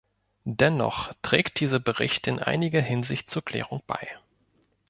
Dennoch trägt dieser Bericht in einiger Hinsicht zur Klärung bei.